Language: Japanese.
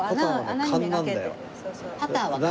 パターは勘？